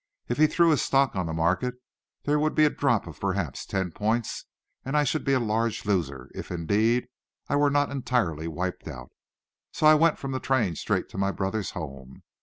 If he threw his stock on the market, there would be a drop of perhaps ten points and I should be a large loser, if, indeed, I were not entirely wiped out. So I went from the train straight to my brother's home.